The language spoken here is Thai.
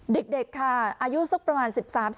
เด็กค่ะอายุสักประมาณ๑๓